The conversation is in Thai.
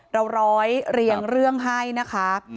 ร้อยเรียงเรื่องให้นะคะ